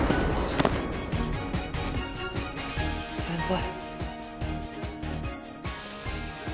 先輩？